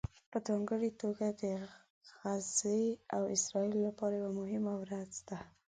په ځانګړې توګه د غزې او اسرائیلو لپاره یوه مهمه ورځ ده